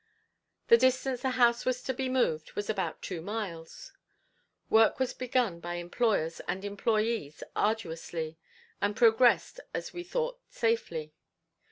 The distance the house was to be moved was about two miles. Work was begun by employers and employees arduously, and progressed as we thought safely.